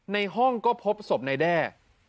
ในห้องก็พบศพนายแด้